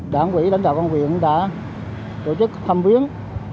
đảng ủy lãnh đạo công an huyện đã tổ chức thăm biến